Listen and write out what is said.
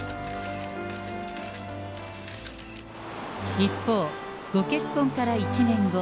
一方、ご結婚から１年後。